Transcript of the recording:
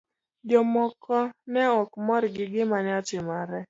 Jomoko ne ok mor gi gima ne otimore.